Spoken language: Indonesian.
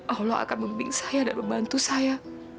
allah akan membimbing saya dan membantu saya